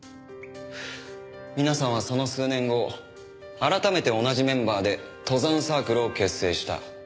皆さんはその数年後改めて同じメンバーで登山サークルを結成した。